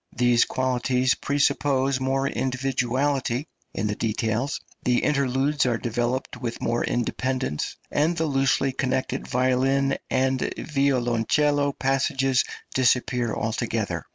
These qualities presuppose more individuality in the details, the interludes are developed with more independence, and the loosely connected violin and violoncello passages disappear altogether.